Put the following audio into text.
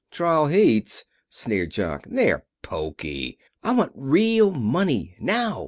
"Trial heats!" sneered Jock. "They're poky. I want real money. Now!